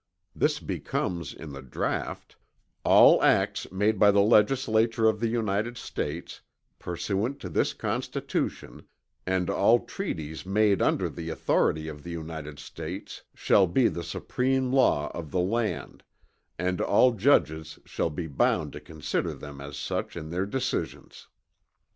This becomes in the draught: "All acts made by the Legislature of the United States, pursuant to this Constitution, and all Treaties made under the authority of the United States, shall be the Supreme Law of the Land; and all Judges shall be bound to consider them as such in their decisions."